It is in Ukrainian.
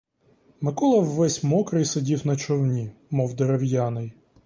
Микола ввесь мокрий сидів на човні, мов дерев'яний.